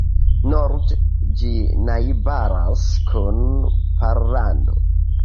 Norde ĝi najbaras kun Pollando.